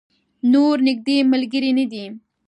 نور نږدې ملګری نه دی.